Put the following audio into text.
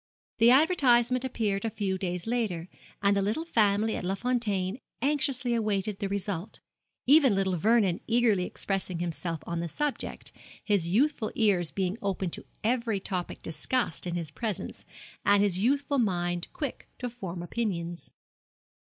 The advertisement appeared a few days later, and the little family at Les Fontaines anxiously awaited the result, even little Vernon eagerly expressing himself on the subject, his youthful ears being open to every topic discussed in his presence, and his youthful mind quick to form opinions.